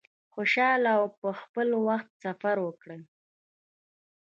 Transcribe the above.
خوشحاله او په خپل وخت سفر وکړی.